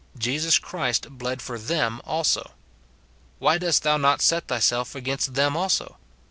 Jesus Christ bled for them also. Why dost thou not set thyself against them also